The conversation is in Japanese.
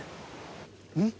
うん？